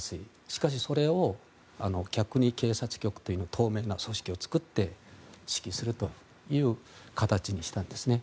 しかし、それを逆に警察局という透明な組織を作って指揮するという形にしたんですね。